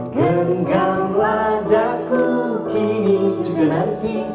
genggam wajahku kini juga nanti